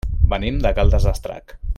Venim de Caldes d'Estrac.